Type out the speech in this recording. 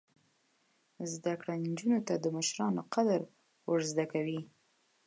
زده کړه نجونو ته د مشرانو قدر ور زده کوي.